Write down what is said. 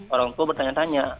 orang tua bertanya tanya